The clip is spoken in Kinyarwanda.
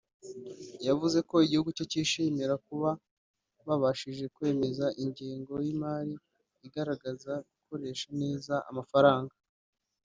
yavuze ko igihugu cye cyishimira kuba babashije kwemeza ingengo y’imari igaragaza gukoresha neza amafaranga